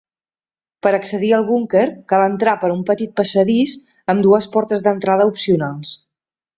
Per accedir al búnquer, cal entrar per un petit passadís amb dues portes d'entrada opcionals.